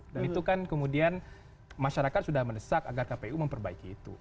dan itu kan kemudian masyarakat sudah mendesak agar kpu memperbaiki itu